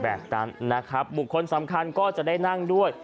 แบบนั้นนะครับบุคคลสำคัญก็จะได้นั่งด้วย